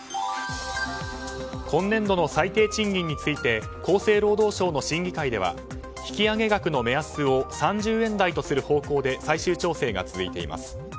今年度の最低賃金について厚生労働省の審議会では引き上げ額の目安を３０円台とする方向で最終調整が続いています。